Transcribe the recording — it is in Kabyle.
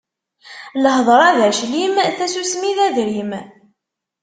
Lhedṛa d aclim, tasusmi d adrim.